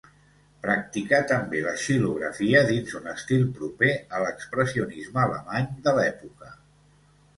Practicà també la xilografia dins un estil proper a l'expressionisme alemany de l'època.